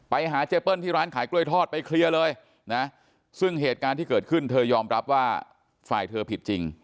ไปหาเจเปิ้ลที่ร้านขายกล้วยทอดไปเคลียร์เลยนะซึ่งเหตุการณ์ที่เกิดขึ้นเธอยอมรับว่าฝ่ายเธอผิดจริง